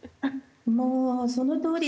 もうそのとおりです。